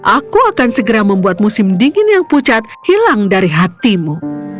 aku akan segera membuat musim dingin yang pucat hilang dari hatimu